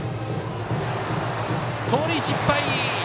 盗塁失敗！